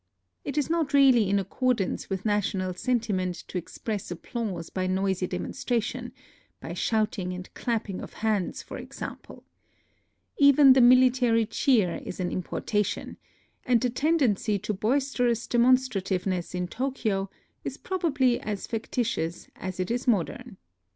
It is not really in accordance with na tional sentiment to express applause by noisy demonstration, — by shouting and clapping of hands, for exam^^le. Even the military cheer is an importation ; and the tendency to bois terous demonstrativeness in Tokyo is proba bly as factitious as it is modern.